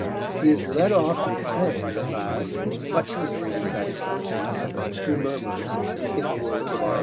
He is led off to be hanged at last, much to the reader's satisfaction, who murmurs, in the words of R.